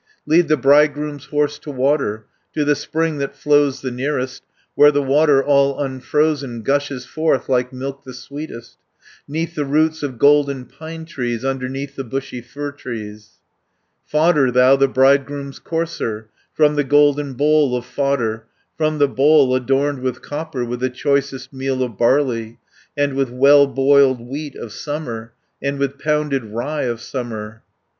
"Lead the bridegroom's horse to water, To the spring that flows the nearest, Where the water all unfrozen, Gushes forth; like milk the sweetest, 'Neath the roots of golden pine trees, Underneath the bushy fir trees. "Fodder thou the bridegroom's courser, From the golden bowl of fodder, 90 From the bow! adorned with copper, With the choicest meal of barley, And with well boiled wheat of summer, And with pounded rye of summer.